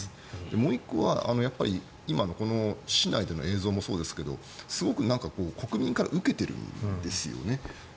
もう１個は今の市内での映像もそうですがすごく国民から受けてるんですよね。